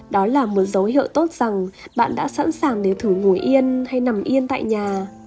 đó là một dấu hiệu tốt rằng bạn đã sẵn sàng để thử ngủ yên hay nằm yên tại nhà